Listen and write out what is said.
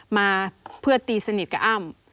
มาเพื่อตีสนิทกับอ้ำ